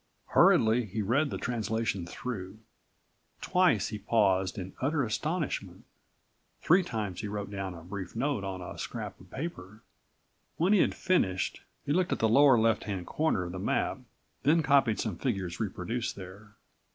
Hurriedly he read this translation through. Twice he paused in utter astonishment. Three times he wrote down a brief note on a scrap of paper. When he had finished, he looked at the lower left hand corner of the map, then copied some figures reproduced there.